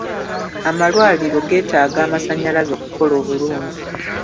Amalwaliro geetaaga amasannyalaze okukola obulungi.